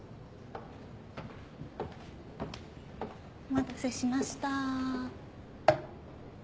お待たせしました。